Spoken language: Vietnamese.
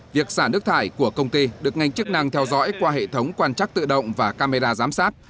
việc xả nước thải của công ty được ngành chức năng theo dõi qua hệ thống quan trắc tự động và camera giám sát